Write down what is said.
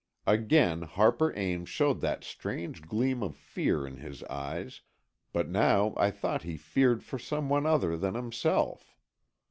Again Harper Ames showed that strange gleam of fear in his eyes, but now I thought he feared for some one other than himself.